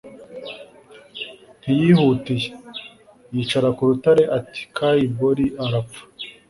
ntiyihutiye, yicara ku rutare. ati kai borie arapfa